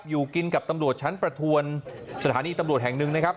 อยู่กินกับตำรวจชั้นประทวนสถานีตำรวจแห่งหนึ่งนะครับ